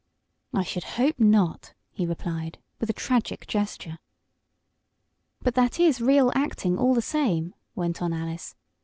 "I should hope not," he replied, with a tragic gesture. "But that is real acting, all the same," went on Alice.